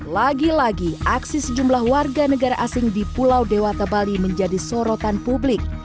lagi lagi aksi sejumlah warga negara asing di pulau dewata bali menjadi sorotan publik